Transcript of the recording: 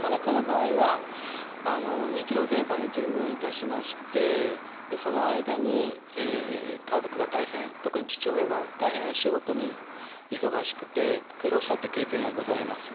田中の場合は日露戦争に従軍いたしましてその間に家族が大変特に父親が大変仕事に忙しくて苦労したっていう経験がございます。